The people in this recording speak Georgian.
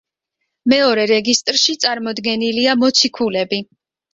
მეორე რეგისტრში წარმოდგენილია მოციქულები.